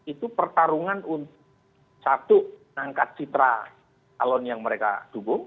itu pertarungan untuk satu angkat citra calon yang mereka dukung